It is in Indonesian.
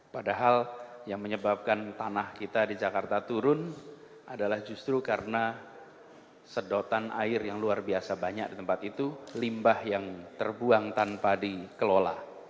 padahal yang menyebabkan tanah kita di jakarta turun adalah justru karena sedotan air yang luar biasa banyak di tempat itu limbah yang terbuang tanpa dikelola